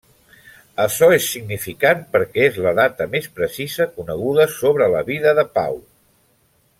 Açò és significant perquè és la data més precisa coneguda sobre la vida de Pau.